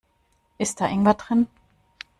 Ist da Ingwer drin?